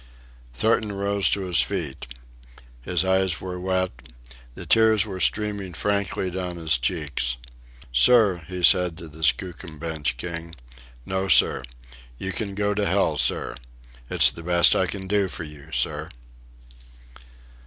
Thornton rose to his feet. His eyes were wet. The tears were streaming frankly down his cheeks. "Sir," he said to the Skookum Bench king, "no, sir. You can go to hell, sir. It's the best I can do for you, sir."